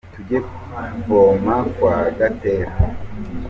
Tujye kuvoma kwa Gatera.